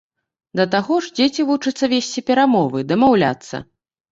Да таго ж, дзеці вучацца весці перамовы, дамаўляцца.